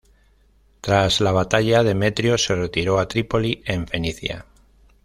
Tras la batalla, Demetrio se retiró a Trípoli, en Fenicia.